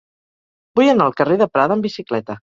Vull anar al carrer de Prada amb bicicleta.